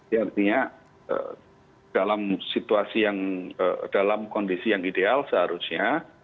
yaitu dalam situasi yang dalam kondisi yang ideal seharusnya